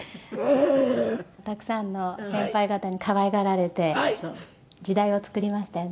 たくさんの先輩方に可愛がられて時代を作りましたよね。